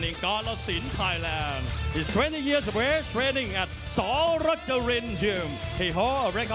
ทีฮอล์รักษณ์๖๔ต่างจาก๔๑ต่างจาก